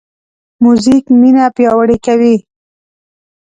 موزیک مینه پیاوړې کوي.